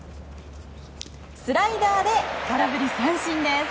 スライダーで空振り三振です。